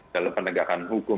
dalam penegakan hukum